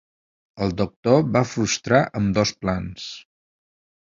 El doctor va frustrar ambdós plans.